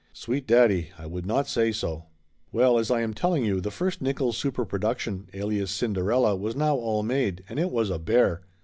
Sweet daddy, I would not say so! Well, as I am telling you, the first Nickolls super production, Alias Cinderella, was now all made, and it was a bear.